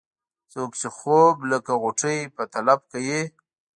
څوک چې خوب لکه غوټۍ په طلب کوي.